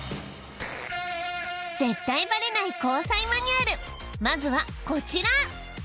絶対バレない交際マニュアルまずはこちら。